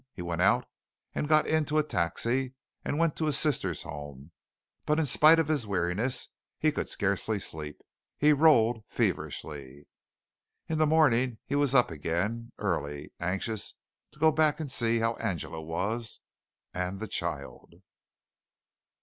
He went out and got into a taxi and went to his sister's home, but in spite of his weariness, he could scarcely sleep. He rolled feverishly. In the morning he was up again, early, anxious to go back and see how Angela was and the child.